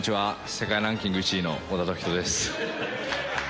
世界ランキング１位の小田凱人です。